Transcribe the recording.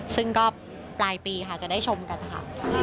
ซึ่งก็ปลายปีค่ะจะได้ชมกันค่ะ